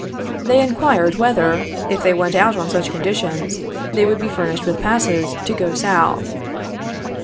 They inquired whether, if they went out on such conditions, they would be furnished with passes to go South.